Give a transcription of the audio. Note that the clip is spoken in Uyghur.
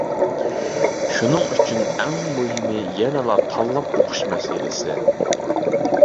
شۇنىڭ ئۈچۈن ئەڭ مۇھىمى يەنىلا تاللاپ ئوقۇش مەسىلىسى.